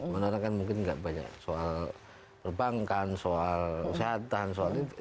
mana mana kan mungkin nggak banyak soal perbankan soal usaha tahan soal ini